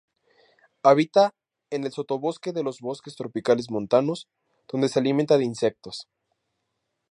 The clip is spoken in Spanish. Habita en el sotobosque de los bosques tropicales montanos, donde se alimenta de insectos.